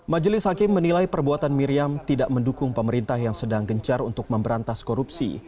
majelis hakim menilai perbuatan miriam tidak mendukung pemerintah yang sedang gencar untuk memberantas korupsi